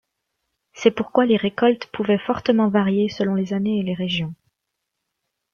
C'est pourquoi les récoltes pouvaient fortement varier selon les années et les régions.